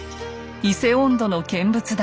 「伊勢音頭」の見物代